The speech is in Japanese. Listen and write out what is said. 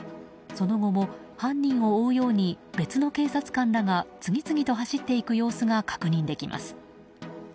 その後も犯人を追うように別の警察官らが次々と走っていく様子が確認できます。